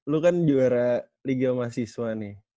lu kan juara liga mahasiswa nih